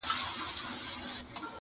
منصور دا ځلي د دې کلي ملا کړو,